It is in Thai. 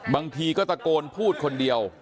บางทีก็ตะโกนพูดคนเดียว